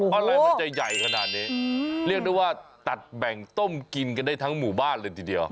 อะไรมันจะใหญ่ขนาดนี้เรียกได้ว่าตัดแบ่งต้มกินกันได้ทั้งหมู่บ้านเลยทีเดียว